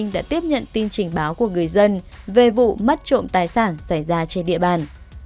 đã tiếp nhận tin trình báo của người dân về vụ mất trộm tài sản xảy ra trên địa bàn